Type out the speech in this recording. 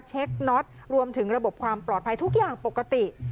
น็อตรวมถึงระบบความปลอดภัยทุกอย่างปกติ